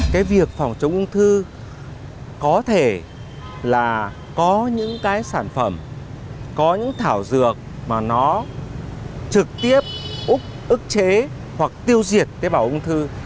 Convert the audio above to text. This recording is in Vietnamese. cái việc phòng chống ung thư có thể là có những cái sản phẩm có những thảo dược mà nó trực tiếp úc ức chế hoặc tiêu diệt tế bào ung thư